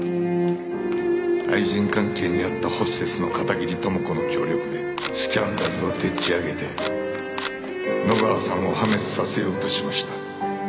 愛人関係にあったホステスの片桐朋子の協力でスキャンダルをでっち上げて野川さんを破滅させようとしました。